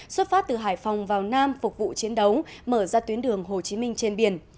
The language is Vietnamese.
xuất phát từ hải phòng vào nam phục vụ chiến đấu mở ra tuyến đường hồ chí minh trên biển